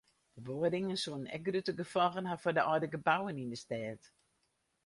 De boarringen soene ek grutte gefolgen ha foar de âlde gebouwen yn de stêd.